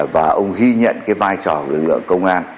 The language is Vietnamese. và ông ghi nhận cái vai trò của lực lượng công an